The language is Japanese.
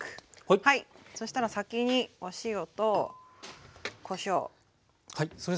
そしたら先にお塩とこしょう。